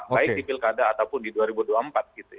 baik di pilkada ataupun di dua ribu dua puluh empat gitu ya